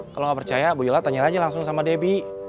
kalau nggak percaya bu yola tanya aja langsung sama debbie